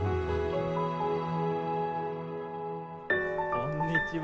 こんにちは。